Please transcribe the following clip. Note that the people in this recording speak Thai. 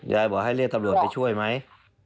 ยายบอกให้เรียกตำรวจไปช่วยไหม